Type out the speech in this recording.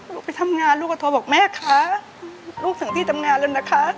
ลูกไปทำงานลูกก็โทรบอกแม่คะลูกถึงที่ทำงานแล้วนะคะ